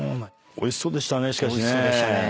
おいしそうでしたね。